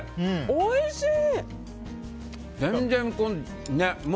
おいしい。